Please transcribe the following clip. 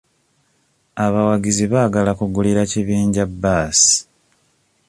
Abawagizi baagala kugulira kibiinja bbaasi.